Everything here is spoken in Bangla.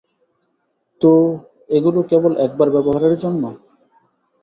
তো, এগুলো কেবল একবার ব্যবহারের জন্য।